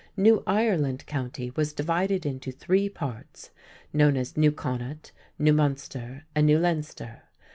New Ireland County was divided into three parts, known as New Connaught, New Munster, and New Leinster.